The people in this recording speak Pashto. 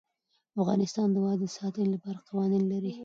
افغانستان د وادي د ساتنې لپاره قوانین لري.